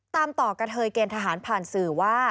ตามต่อกระเทยเกณฑหารผ่านสื่อว่า